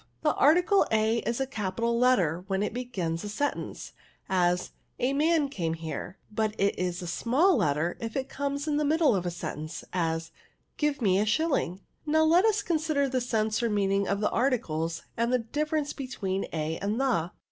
The article a is a capital letter when it begins a sentence, as, ' A man came here ;^ but it is a small letter if it comes in the middle of a sen tence, as, ' Give me a shilling.* Now, let us €on^der the sense or meaning of the articles, and the difference between a and the.